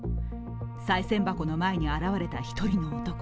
さい銭箱の前に現れた一人の男。